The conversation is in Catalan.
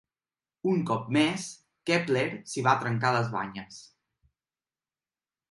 Un cop més, Kepler s'hi va trencar les banyes.